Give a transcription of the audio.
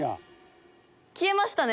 「消えましたね」